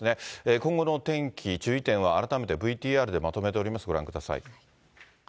今後の天気、注意点は改めてＶＴＲでまとめております、ご覧ください。